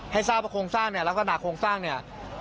ให้ทราบว่าโครงสร้างเนี่ยลักษณะโครงสร้างเนี่ย